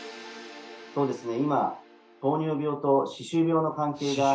そうですね